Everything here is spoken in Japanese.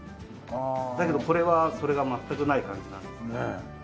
だけどこれはそれが全くない感じなんです。